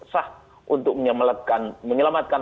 sah untuk menyelamatkan